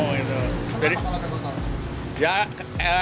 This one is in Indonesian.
apa kalau tidak kotor